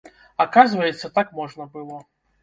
Аказваецца, так можна было!